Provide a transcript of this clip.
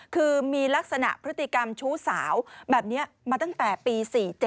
คือมีลักษณะพฤติกรรมชู้สาวแบบนี้มาตั้งแต่ปี๔๗